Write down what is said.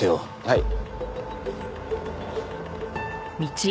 はい。